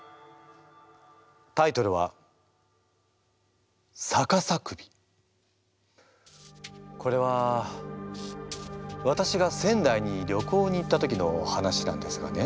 タイトルはこれはわたしが仙台に旅行に行った時の話なんですがね。